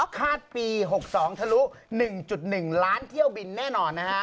คาดปี๖๒ทะลุ๑๑ล้านเที่ยวบินแน่นอนนะฮะ